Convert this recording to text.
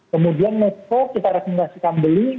kemudian mesko kita rekomendasikan beli